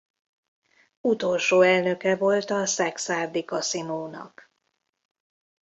Utolsó elnöke volt a Szekszárdi Kaszinónak.